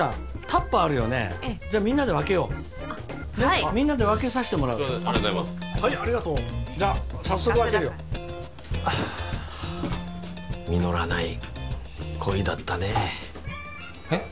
タッパーあるよねええじゃあみんなで分けようあっはいみんなで分けさせてもらうはいありがとうじゃあ早速分けるよ実らない恋だったねえっ？